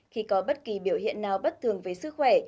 khi có bất kỳ biểu hiện nào bất thường về sức khỏe